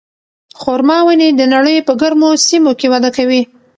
خورما ونې د نړۍ په ګرمو سیمو کې وده کوي.